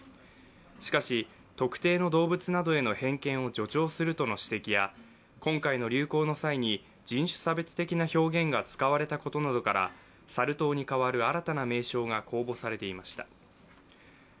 しかし、特定の動物などへの偏見を助長するとの意見や今回の流行の際に人種差別的な表現が使われたことなどからサル痘にかわる新たな名称が公募されていました。